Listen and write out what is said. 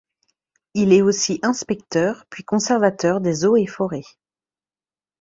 Il est aussi inspecteur, puis conservateur des eaux et forêts.